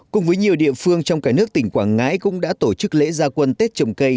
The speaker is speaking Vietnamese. cùng với nhiều địa phương trong cả nước tỉnh quảng ngãi cũng đã tổ chức lễ gia quân tết trồng cây